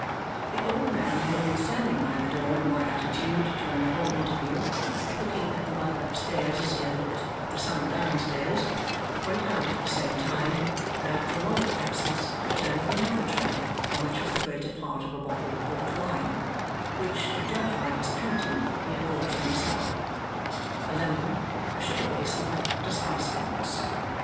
The old man who had been standing by the door in one attitude during the whole interview, looking at the mother up stairs as he had looked at the son down stairs, went out at the same time, and, after a longer absence, returned with another tray on which was the greater part of a bottle of port wine (which, to judge by his panting, he had brought from the cellar), a lemon, a sugar basin, and a spice box.